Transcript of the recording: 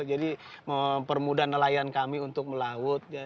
jadi mempermudah nelayan kami untuk melaut